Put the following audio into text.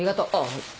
はい。